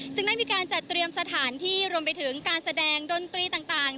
ได้มีการจัดเตรียมสถานที่รวมไปถึงการแสดงดนตรีต่าง